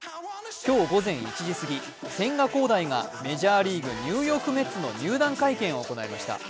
今日午前１時すぎ千賀滉大がメジャーリーグニューヨーク・メッツの入団会見を行いました。